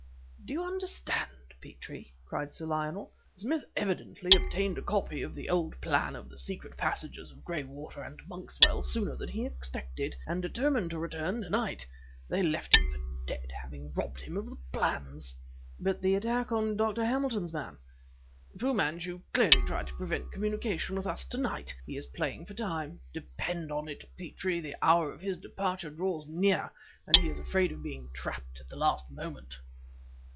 "Do you understand, Petrie?" cried Sir Lionel. "Smith evidently obtained a copy of the old plan of the secret passages of Graywater and Monkswell, sooner than he expected, and determined to return to night. They left him for dead, having robbed him of the plans!" "But the attack on Dr. Hamilton's man?" "Fu Manchu clearly tried to prevent communication with us to night! He is playing for time. Depend on it, Petrie, the hour of his departure draws near and he is afraid of being trapped at the last moment."